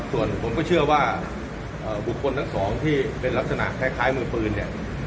ส่วนผมก็เชื่อว่าบุคคลทั้งสองที่เป็นลักษณะคล้ายมือปืนเนี่ย